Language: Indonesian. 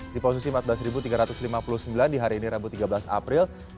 di posisi empat belas tiga ratus lima puluh sembilan di hari ini rabu tiga belas april